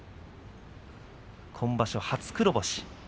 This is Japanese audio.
今場所、初黒星です。